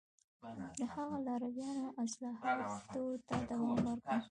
د هغه لارویانو اصلاحاتو ته دوام ورکړ